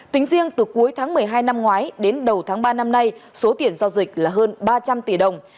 tính riêng từ cuối tháng một mươi hai năm ngoái đến đầu tháng ba năm nay số tiền giao dịch là hơn ba trăm linh tỷ đồng